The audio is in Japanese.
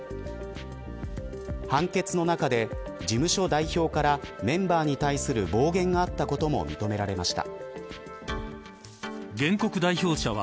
判決の中で事務所代表からメンバーに対する暴言があったことも認められました。